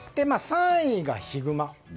３位がヒグマ。